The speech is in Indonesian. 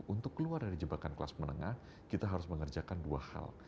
untuk keluar dari jebakan kelas menengah kita harus mengerjakan dua hal